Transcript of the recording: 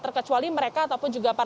dengan kolaborasi ataupun juga kerjaan